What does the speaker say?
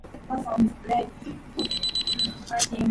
Its shares are listed on the Borsa Italiana.